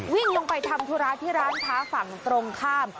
วิ่งลงไปทำธุระที่ร้านค้าฝั่งตรงข้าม